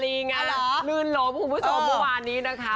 คือนั้นหลุ่นหลมผู้ชมประวังนี้นะคะ